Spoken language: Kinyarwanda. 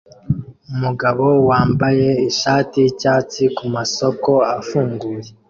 Umugabo wambaye ishati yicyatsi kumasoko afunguye